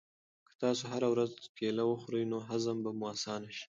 که تاسو هره ورځ کیله وخورئ نو هضم به مو اسانه شي.